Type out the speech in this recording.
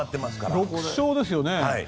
６勝ですよね。